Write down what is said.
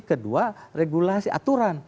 kedua regulasi aturan